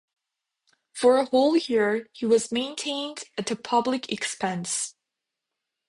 For a whole year he was maintained at public expense.